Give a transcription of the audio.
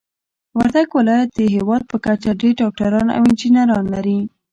وردګ ولايت د هيواد په کچه ډير ډاکټران او انجنيران لري.